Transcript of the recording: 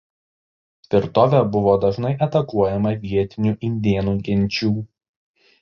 Tvirtovė buvo dažnai atakuojama vietinių indėnų genčių.